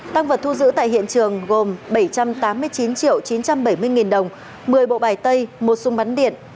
tăng vật thu giữ tại hiện trường gồm bảy trăm tám mươi chín triệu chín trăm bảy mươi nghìn đồng một mươi bộ bài tay một súng bắn điện